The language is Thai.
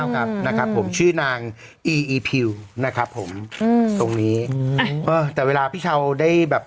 ครับนะครับผมชื่อนางอีอีพิวนะครับผมอืมตรงนี้อืมเออแต่เวลาพี่เช้าได้แบบ